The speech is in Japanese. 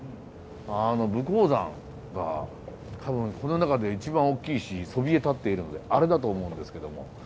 あの武甲山が多分この中で一番大きいしそびえ立っているのであれだと思うんですけども。